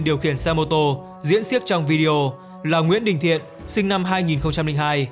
điều khiển xe mô tô diễn siết trong video là nguyễn đình thiện sinh năm hai nghìn hai